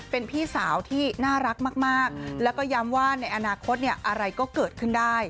เป็นพี่สาวที่น่ารักมากแล้วก็ย้ำว่าในอนาคตอะไรก็เกิดขึ้นได้